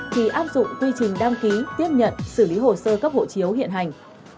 thì áp dụng quy trình đăng ký tiếp nhận xử lý hồ sơ cấp hộ chiếu hiện hành